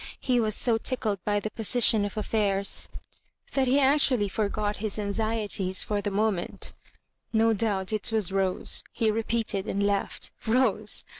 He was so tickled by the position of affairs, that he actual ly forgot his anxieties for the moment "No doubt it was Rose," he repeated and laughed; Rose!